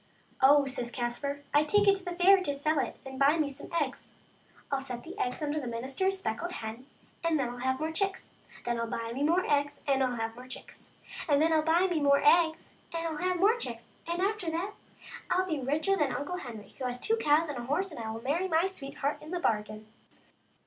" Oh," says Caspar, " I take it to the fair to sell it and buy me some eggs, ril set the eggs under the minister's speckled hen, and then Til have more chicks. Then Til buy me more eggs and have more chicks, and then ril buy me more eggs and have more chicks, and after that I'll be richer than Uncle Henry, who has two cows and a horse, and will marry my sweetheart into the bargain."